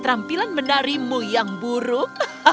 ketampilan menarimu yang buruk